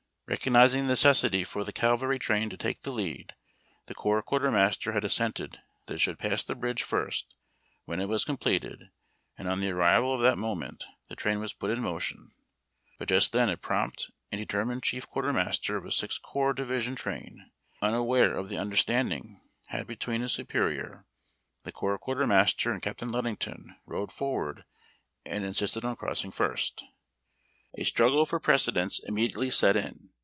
Recognizing the necessity for the cavalry train to take the lead, the corps quartermaster had assented that it should pass the bridge first when it was completed, and on the arrival of that moment the train was put in motion, but just then a prompt and deter mined chief quartermaster of a Sixth Corps division train, unaware of the understanding had between his superior, the corps quartermaster, and Captain Ludington, rode forward and insisted on crossing first. A struggle for precedence immedi ately set in.